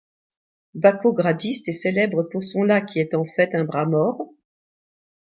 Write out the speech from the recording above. Backo Gradiste est célèbre pour son lac, qui est en fait un bras mort.